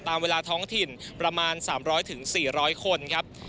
ตามเวลาท้องถิ่นประมาณ๓๐๐๔๐๐คนครับ